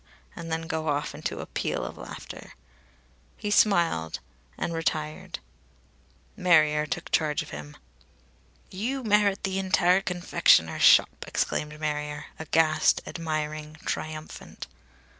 And then go off into a peal of laughter. He smiled and retired. Marrier took charge of him. "You merit the entire confectioner's shop!" exclaimed Marrier, aghast, admiring, triumphant.